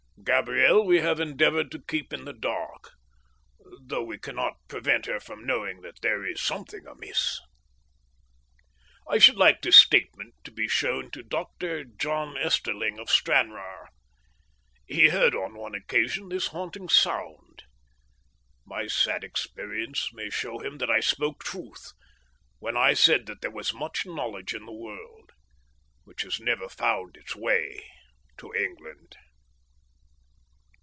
Gabriel we have endeavoured to keep in the dark, though we cannot prevent her from knowing that there is something amiss. "I should like this statement to be shown to Dr. John Easterling of Stranraer. He heard on one occasion this haunting sound. My sad experience may show him that I spoke truth when I said that there was much knowledge in the world which has never found its way to England.